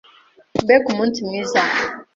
Mbega umunsi mwiza!